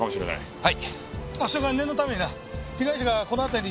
はい。